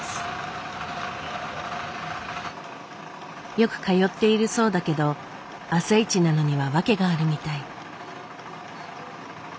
よく通っているそうだけど朝一なのには訳があるみたい。